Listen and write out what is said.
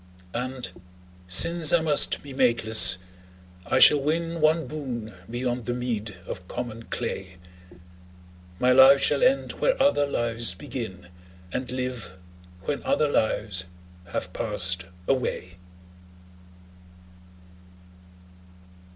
And, since I must be mateless, I shall win One boon beyond the meed of common clay: My life shall end where other lives begin, And live when other lives have passed away.